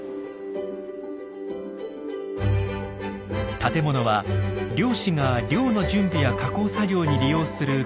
建物は漁師が漁の準備や加工作業に利用する仮住まい。